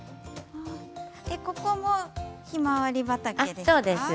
ここも、ひまわり畑ですか？